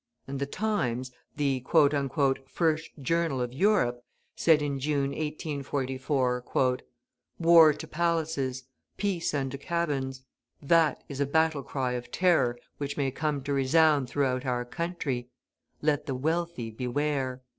And the Times, the "first journal of Europe," said in June, 1844: "War to palaces, peace unto cabins that is a battle cry of terror which may come to resound throughout our country. Let the wealthy beware!"